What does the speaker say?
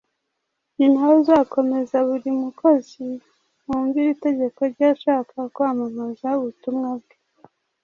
ni nawe uzakomeza buri mukozi wumvira itegeko rye ashaka kwamamaza ubutumwa bwe.